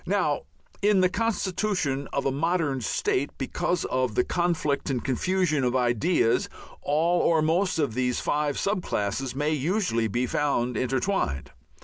Now in the constitution of a modern state, because of the conflict and confusion of ideas, all or most of these five sub classes may usually be found intertwined.